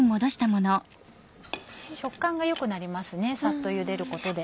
食感が良くなりますねサッとゆでることで。